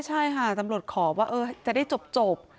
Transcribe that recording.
ใช่ค่ะตำรวจขอว่าจะได้จบ